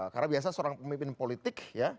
karena biasa seorang pemimpin politik